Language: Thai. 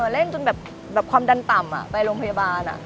เล่นจนแบบความดันต่ำไปโรงพยาบาล